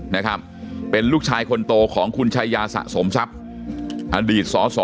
นะครับเป็นลูกชายคนโตของคุณชายาสะสมทรัพย์อดีตสอสอ